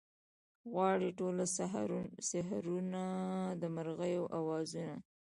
غواړي ټوله سحرونه د مرغیو اوازونه